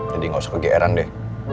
jadi gak usah ke gr an deh